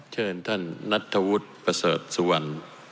เชิญท่านนัทธวุฒิประเสริฐสุวรรณ